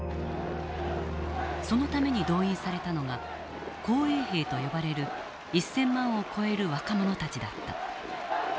そのために動員されたのが紅衛兵と呼ばれる１，０００万を超える若者たちだった。